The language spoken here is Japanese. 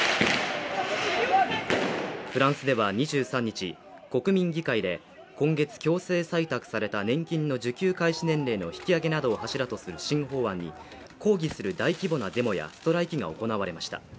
フランスでは２３日、国民議会で、今月強制採択された年金の受給開始年齢の引き上げなどを柱とする新法案に抗議する大規模なデモやストライキが行われました。